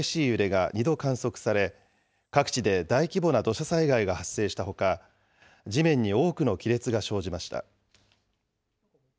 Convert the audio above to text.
熊本地震では震度７の激しい揺れが２度観測され各地で大規模な土砂災害が発生したほか、地面に多くの亀裂が生じました。